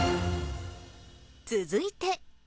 続いて。